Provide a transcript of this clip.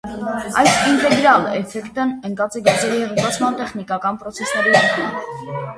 Այս ինտեգրալ էֆեկտն ընկած է գազերի հեղուկացման տեխնիկական պրոցեսների հիմքում։